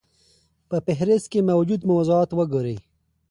په فهرست کې موجود موضوعات وګورئ.